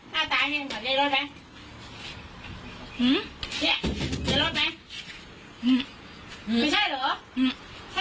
อยากกินราบหรอครับ